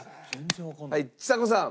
はいちさ子さん。